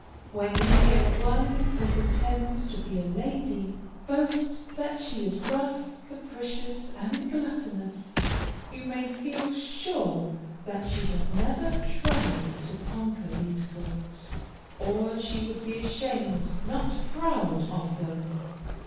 When you hear one, who pretends to be a lady, boast that she is rough, capricious, and gluttonous, you may feel sure that she has never tried to conquer these faults, or she would be ashamed, not proud, of them.